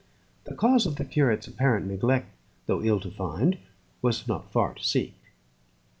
The cause of the curate's apparent neglect, though ill to find, was not far to seek.